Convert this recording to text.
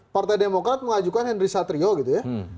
partai demokrat mengajukan henry satrio gitu ya